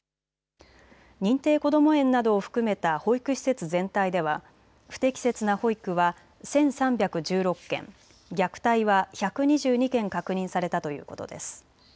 認定こども園などを含めた保育施設全体では不適切な保育は１３１６件、虐待は１２２件確認されたということです。